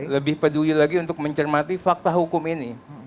lebih peduli lagi untuk mencermati fakta hukum ini